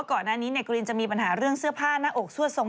ก่อนหน้านี้กรีนจะมีปัญหาเรื่องเสื้อผ้าหน้าอกซั่วทรง